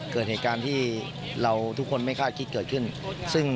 เกิดเหตุการณ์ที่เราทุกคนไม่คาดคิดเกิดขึ้นซึ่ง